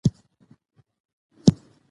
هنر د فکر ازادي او د بیان قوت ته وده ورکوي.